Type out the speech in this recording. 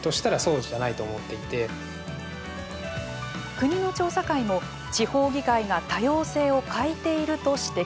国の調査会も、地方議会が多様性を欠いていると指摘。